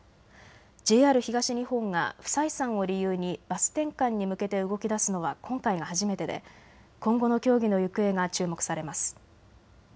ＪＲ東日本が不採算を理由にバス転換に向けて動きだすのは今回が初めてで今後の協議の行方が注目されます。